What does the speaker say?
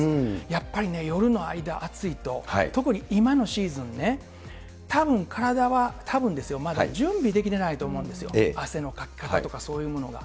やっぱりね、夜の間暑いと、特に今のシーズンね、たぶん、体は、たぶんですよ、まだ準備できてないと思うんですよ、汗のかき方とか、そういうものが。